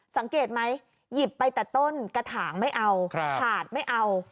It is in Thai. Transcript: สังเกตไหมหยิบไปแต่ต้นกระถางไม่เอาขาดไม่เอา